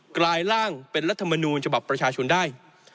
กลายร่างเป็นรัฐมนูลฉบับประชาชนได้